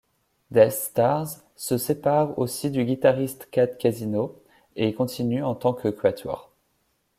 Deathstars se sépare aussi du guitariste Cat Casino, et continue en tant que quatuor.